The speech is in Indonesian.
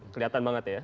kelihatan banget ya